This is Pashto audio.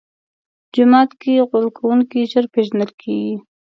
جومات کې غول کوونکی ژر پېژندل کېږي.